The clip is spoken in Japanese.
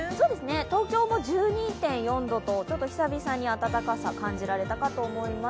東京も１２．４度と久々に暖かさが感じられたかと思います。